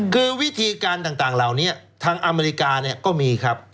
คือวิธีการต่างลาวนี้ทางอเมริกาก็มีครับ